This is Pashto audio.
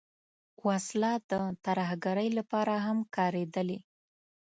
وسله د ترهګرۍ لپاره هم کارېدلې